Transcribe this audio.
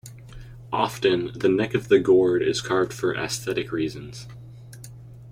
Often, the neck of the gourd is carved for aesthetic reasons.